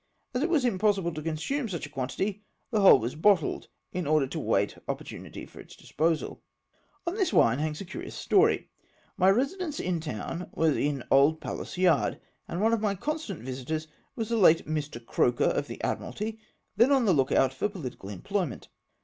As it was impossible to consume such a quantity, the whole was bottled, in order to await opportunity for its disposal. On this w^ine hangs a curious story. My residence in town was in Old Palace Yard, and one of my constant visitors was the late Mi\ Croker, of the Admiralty, then on the look out for political employment.